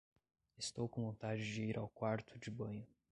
Estou com vontade de ir ao quarto-de-banho.